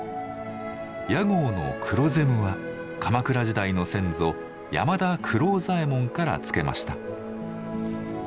屋号の「くろぜむ」は鎌倉時代の先祖山田九郎左衛門から付けました。